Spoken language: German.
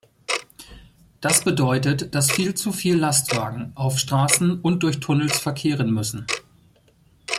Das bedeutet, dass viel zu viel Lastwagen auf Straßen und durch Tunnels verkehren müssen.